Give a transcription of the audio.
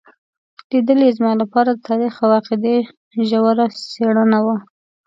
لیدل یې زما لپاره د تاریخ او عقیدې ژوره سپړنه وه.